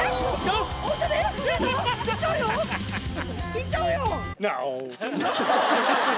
いっちゃうよ？